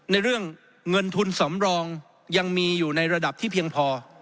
ในเรื่องเงินทุนสำรองยังมีอยู่ในระดับที่เพียงพอ